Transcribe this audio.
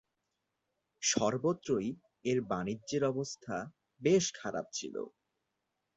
সর্বত্রই এর বাণিজ্যের অবস্থা বেশ খারাপ ছিল।